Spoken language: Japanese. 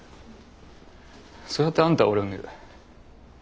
そうやってあんたは俺を見る。